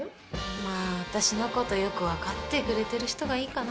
まぁ私のことよく分かってくれてる人がいいかな。